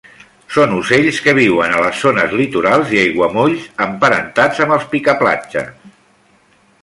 Són ocells que viuen a les zones litorals i aiguamolls emparentats amb els picaplatges.